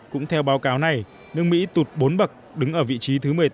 cũng theo báo cáo này nước mỹ tụt bốn bậc đứng ở vị trí thứ một mươi tám